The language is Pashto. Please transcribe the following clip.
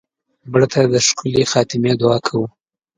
مړه ته د ښکلې خاتمې دعا کوو